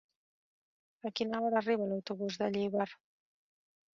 A quina hora arriba l'autobús de Llíber?